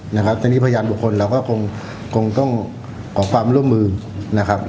นะครับตอนนี้พยานบุคคลเราก็คงต้องขอความร่วมมือนะครับ